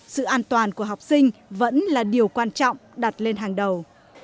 sự an toàn của học sinh vẫn là điều quan trọng đặt lên hàng đầu